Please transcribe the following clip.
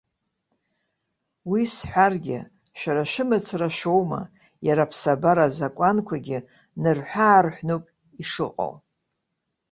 Уи сҳәаргьы, шәара шәымацара шәоума, иара, аԥсабара азакәанқәагьы нарҳәыаарҳәноуп ишыҟоу.